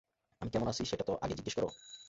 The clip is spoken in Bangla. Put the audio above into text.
আমি কেমন আছি সেটা তো আগে জিজ্ঞেস করো।